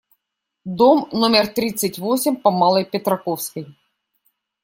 Дом номер тридцать восемь по Малой Петраковской.